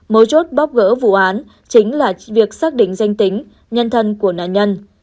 mấu chốt bóp gỡ vụ án chính là việc xác định danh tính nhân thân của nạn nhân